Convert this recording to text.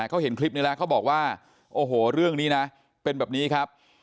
เขาเห็นคลิปนี้แล้วเขาบอกว่าโอ้โหเรื่องนี้นะเป็นแบบนี้ครับ